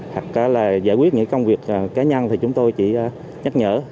hoặc là giải quyết những công việc cá nhân thì chúng tôi chỉ nhắc nhở